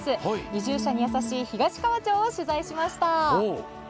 移住者に優しい東川町を取材しました。